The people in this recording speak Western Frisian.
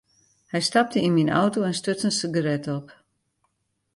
Hy stapte yn myn auto en stuts in sigaret op.